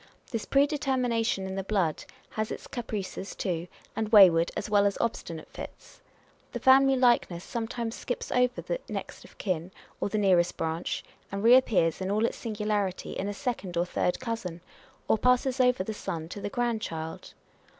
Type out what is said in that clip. This pre determination in the blood has its caprices too, and wayward as well as obstinate fits. The family likeness sometimes skips over the next of kin or the nearest branch, and reappears in all its singularity in a second or third cousin, or passes over the son to the grand child.